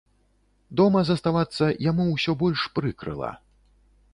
Дома заставацца яму ўсё больш прыкрыла.